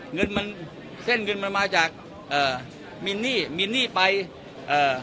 เงินมันเส้นเงินมันมาจากเอ่อมีนหนี้มีหนี้ไปเอ่อ